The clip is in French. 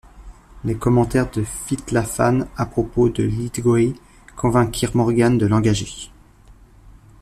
Les commentaires que fit Laffan, à propos de Lythgoe, convainquirent Morgan de l'engager.